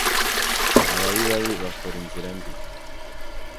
Ababi babi bakora inzira mbi